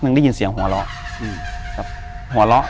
อยู่ที่แม่ศรีวิรัยิลครับ